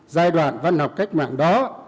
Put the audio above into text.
giai đoạn văn học cách mạng đó